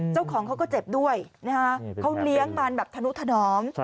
เจ้าของเขาก็เจ็บด้วยนะฮะเขาเลี้ยงมันแบบธนุถนอม